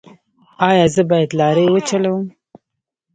ایا زه باید لارۍ وچلوم؟